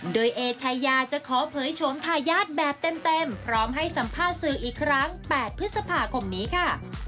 โดยเอชายาจะขอเผยโฉมทายาทแบบเต็มพร้อมให้สัมภาษณ์สื่ออีกครั้ง๘พฤษภาคมนี้ค่ะ